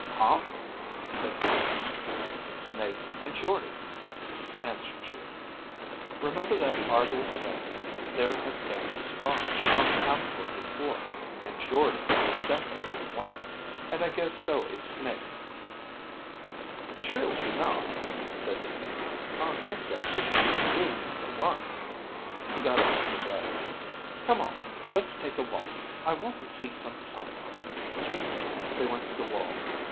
"Huh?" said Iimmi. "Snake and Jordde," answered Geo. "Remember that Argo said there had been spies from Aptor before. And Jordde is definitely one, and I guess so is Snake." "True enough," said Iimmi. "I guess that fits into Rule Number One." He got up from the bed. "Come on. Let's take a walk. I want to see some sunlight." They went to the wall.